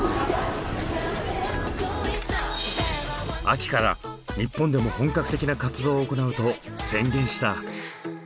秋から日本でも本格的な活動を行うと宣言した。